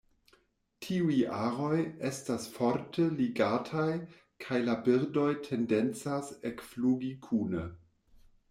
Tiuj aroj estas forte ligataj kaj la birdoj tendencas ekflugi kune.